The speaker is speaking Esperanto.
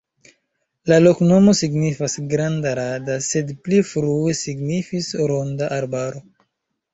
La loknomo signifas: granda-rada, sed pli frue signifis ronda arbaro.